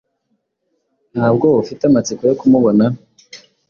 Ntabwo ufite amatsiko yo kumubona